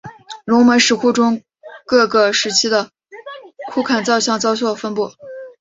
龙门石窟中各个时期的窟龛造像交错分布。